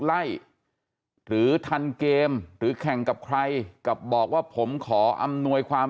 ไล่หรือทันเกมหรือแข่งกับใครกับบอกว่าผมขออำนวยความ